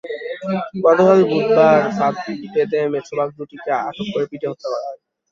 গতকাল বুধবার ফাঁদ পেতে মেছো বাঘ দুটিকে আটক করে পিটিয়ে হত্যা করা হয়।